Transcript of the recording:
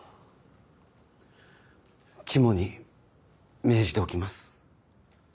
肝に銘じておきます。